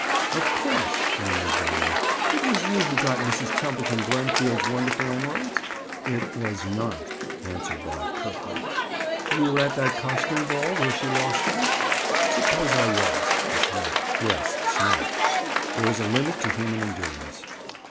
"Of course," murmured Dolly, "it was you who got Mrs. Templeton Blenfield's wonderful emeralds?" "It was not," answered Bob curtly. "You were at that costume ball where she lost them?" "Suppose I was?" he snapped. Yes, snapped! There is a limit to human endurance.